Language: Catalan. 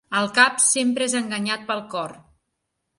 El cap sempre és enganyat pel cor.